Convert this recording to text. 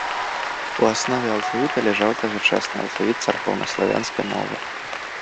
У аснове алфавіта ляжаў тагачасны алфавіт царкоўнаславянскай мовы.